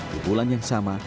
pembulan yang sama